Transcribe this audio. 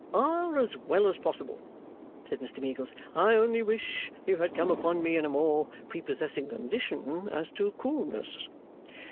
'Are as well as possible,' said Mr Meagles. 'I only wish you had come upon me in a more prepossessing condition as to coolness.